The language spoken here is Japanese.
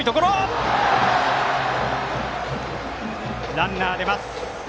ランナー、出ます。